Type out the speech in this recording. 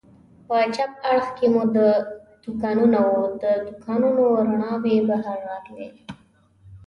په چپ اړخ کې مو دوکانونه و، د دوکانونو رڼاوې بهر راتلې.